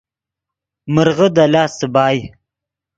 مرغے دے لاست څیبائے